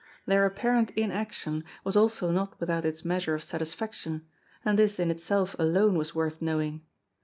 Their apparent inaction BEGGAR PETE 10$ was also not without its measure of satisfaction, and this in itself alone was worth knowing.